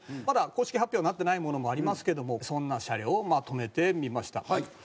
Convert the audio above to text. まだ公式発表になってないものもありますけどもそんな車両をまとめてみました。